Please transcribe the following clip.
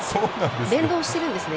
連動しているんですね